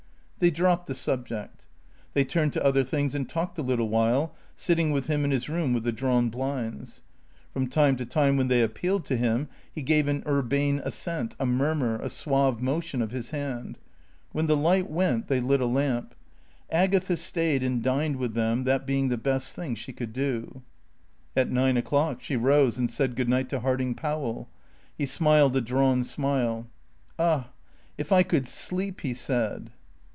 They dropped the subject. They turned to other things and talked a little while, sitting with him in his room with the drawn blinds. From time to time when they appealed to him, he gave an urbane assent, a murmur, a suave motion of his hand. When the light went, they lit a lamp. Agatha stayed and dined with them, that being the best thing she could do. At nine o'clock she rose and said good night to Harding Powell. He smiled a drawn smile. "Ah if I could sleep " he said.